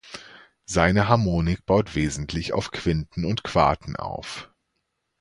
Seine Harmonik baut wesentlich auf Quinten und Quarten auf.